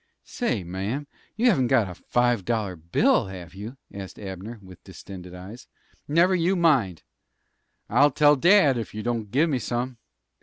"Say, mam, you haven't got a five dollar bill, have you?" asked Abner, with distended eyes. "Never you mind!" "I'll tell dad ef you don't give me some."